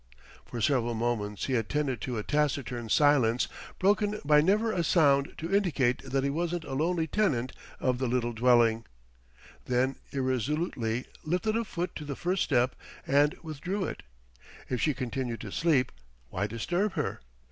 For several moments he attended to a taciturn silence broken by never a sound to indicate that he wasn't a lonely tenant of the little dwelling, then irresolutely lifted a foot to the first step and withdrew it. If she continued to sleep, why disturb her?